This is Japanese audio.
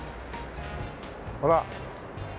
ほら。